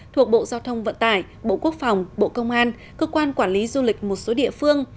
thuộc bộ giao thông vận tải bộ quốc phòng bộ công an cơ quan quản lý du lịch một số địa phương